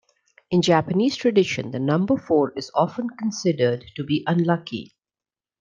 In Japanese tradition, the number four is often considered to be unlucky